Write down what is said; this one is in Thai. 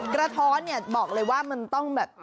กระท้อนเนี่ยบอกเลยว่ามันต้องแบบ